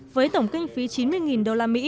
với tổng kinh phí chín mươi usd